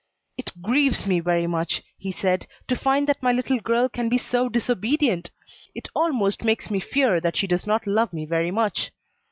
"It grieves me very much," he said, "to find that my little girl can be so disobedient! it almost makes me fear that she does not love me very much."